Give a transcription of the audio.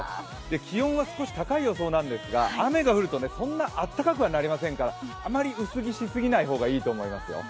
気温は少し高い予想なんですが雨が降るとそんなに暖かくはなりませんからあまり薄着しすぎない方がいいと思いますよ。